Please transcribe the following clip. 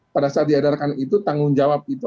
pada saat diedarkan itu tanggung jawab itu